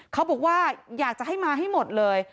เขาบอกว่าอยากจะให้มาให้หมดเลย